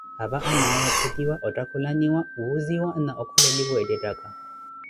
Apa anaaye ophetiwa, ottakhulaniwa, wuuziya na okholeliwa eettettaka.